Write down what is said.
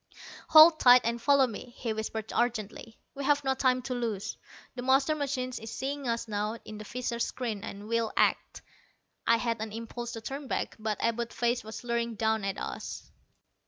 "Hold tight and follow me," he whispered urgently, "we've no time to lose. The master machine is seeing us now in the visor screen, and will act." I had an impulse to turn back, but Abud's face was leering down at us.